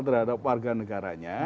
terhadap warga negaranya